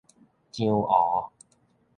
樟湖